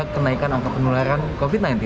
kenaikan angka penularan covid sembilan belas